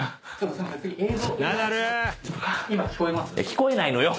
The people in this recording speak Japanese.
聞こえないのよ。